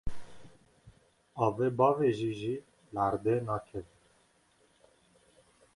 Avê biavêjî li erdê nakeve.